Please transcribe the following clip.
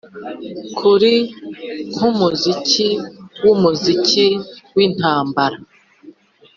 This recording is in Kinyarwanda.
kuri, nkumuziki wumuziki wintambara,